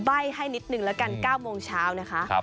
ใบ้ให้นิดนึงแล้วกัน๙โมงเช้านะคะ